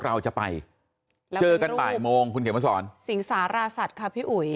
เราจะไปเจอกันบ่ายโมงคุณเขียนมาสอนสิงสาราสัตว์ค่ะพี่อุ๋ย